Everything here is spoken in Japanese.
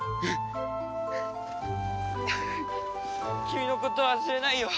君のことは忘れないよ。